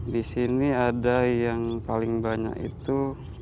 di sini ada yang paling banyak itu